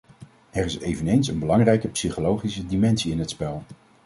Er is eveneens een belangrijke psychologische dimensie in het spel.